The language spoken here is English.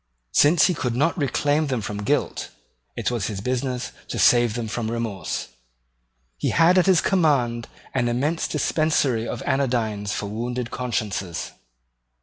Since he could not reclaim them from guilt, it was his business to save them from remorse. He had at his command an immense dispensary of anodynes for wounded consciences.